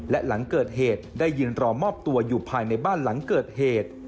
และหลังเกิดเหตุได้ยืนรอมอบตัวอยู่ภายในบ้านหลังเกิดเหตุ